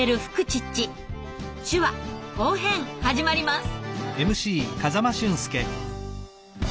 手話・後編始まります。